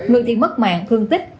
người thì mất mạng thương tích